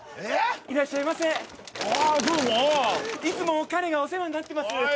いつも彼がお世話になってます